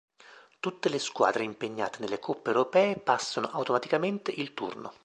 Tutte le squadre impegnate nelle coppe europee passano automaticamente il turno.